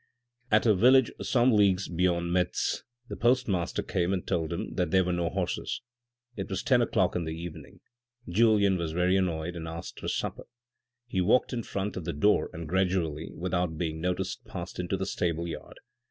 At a village some leagues beyond Metz, the postmaster came and told him that there were no horses. It was ten THE CLERGY, THE FORESTS, LIBERTY 397 o'clock in the evening. Julien was very annoyed and asked for supper. He walked in front of the door and gradually without being noticed passed into the stable yard.